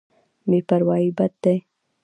بې پروايي بد دی.